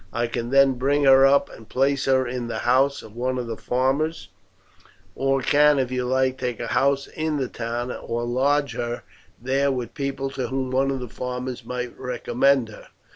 I can then bring her up and place her in the house of one of the farmers; or can, if you like, take a house in the town, or lodge her there with people to whom one of the farmers might recommend her.